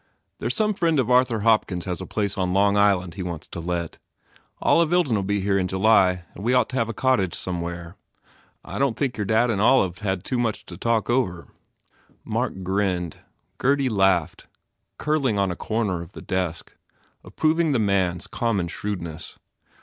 There s some friend of Arthur Hopkins has a place on Long Island he wants to let. Olive Ilden ll be here in July and we ought to have a cottage somewhere. I don t think your dad and Olive d have much to talk over." Mark grinned. Gurdy laughed, curling on a corner of the desk, approving the man s common shrewdness.